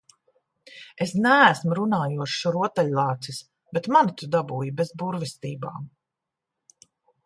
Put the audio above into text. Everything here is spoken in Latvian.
Es neesmu runājošs rotaļlācis, bet mani tu dabūji bez burvestībām.